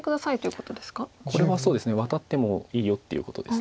これはワタってもいいよっていうことです。